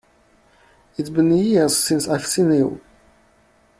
It's been years since I've seen you!